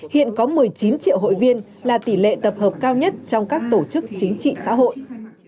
hiện có một mươi chín triệu hội viên là tỷ lệ tập hợp cao nhất trong các tổ chức chính trị xã hội